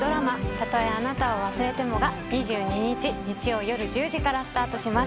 たとえあなたを忘れて２２日日曜よる１０時からスタートします